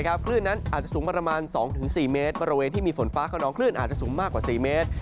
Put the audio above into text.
คลื่นนั้นอาจจะสูงประมาณ๒๔เมตรบริเวณที่มีฝนฟ้าขนองคลื่นอาจจะสูงมากกว่า๔เมตร